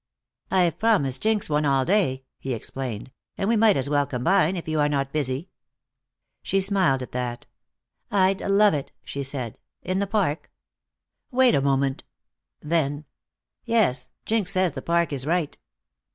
"I've promised Jinx one all day," he explained, "and we might as well combine, if you are not busy." She smiled at that. "I'd love it," she said. "In the park?" "Wait a moment." Then: "Yes, Jinx says the park is right."